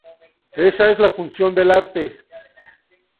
Esa es la función del arte.